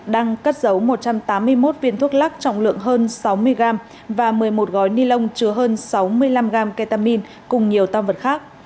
đang cất giấu một trăm tám mươi một viên thuốc lắc trọng lượng hơn sáu mươi gram và một mươi một gói ni lông chứa hơn sáu mươi năm gram ketamin cùng nhiều tam vật khác